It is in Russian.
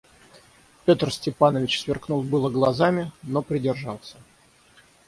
Петр Степанович сверкнул было глазами, но придержался.